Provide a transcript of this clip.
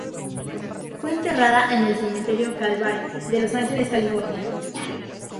Fue enterrada en el Cementerio Calvary de Los Ángeles, California.